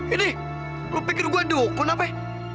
ini lu pikir gua dukun apa